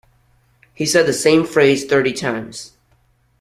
He said the same phrase thirty times.